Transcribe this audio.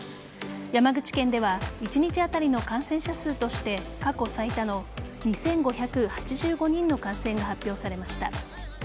山口県では一日当たりの感染者数として過去最多の２５８５人の感染が発表されました。